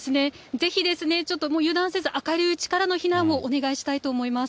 ぜひ、ちょっと油断せず、明るいうちからの避難をお願いしたいと思います。